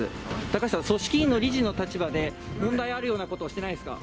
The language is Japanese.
高橋さん、組織委の理事の立場で問題があるようなことをしてないですか？